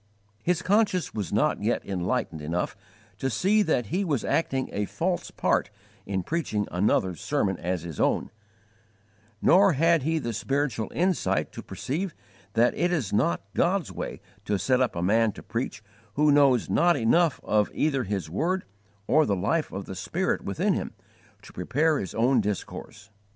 His conscience was not yet enlightened enough to see that he was acting a false part in preaching another's sermon as his own; nor had he the spiritual insight to perceive that it is not God's way to set up a man to preach who knows not enough of either His word or the life of the Spirit within him, to prepare his own discourse.